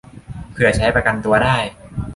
เผื่อใช้ประกันตัวได้